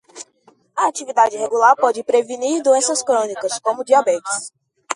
A atividade regular pode prevenir doenças crônicas, como diabetes.